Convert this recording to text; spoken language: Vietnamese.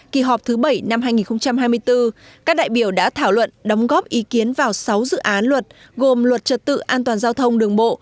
kỳ họp thứ bảy năm hai nghìn hai mươi bốn các đại biểu đã thảo luận đóng góp ý kiến vào sáu dự án luật gồm luật trật tự an toàn giao thông đường bộ